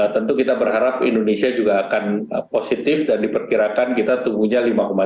tentu kita berharap indonesia juga akan positif dan diperkirakan kita tumbuhnya lima tiga